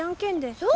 そう！